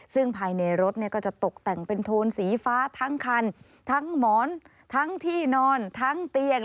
ซึ่งภายในรถก็จะตกแต่งเป็นโทนสีฟ้าทั้งคันทั้งหมอนทั้งที่นอนทั้งเตียง